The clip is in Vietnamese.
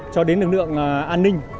cho đến lực lượng an ninh